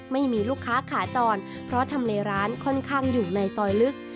ไม่มีลูกค้าขาจรเพราะทำในร้านค่อนข้างอยู่ในซอยลึก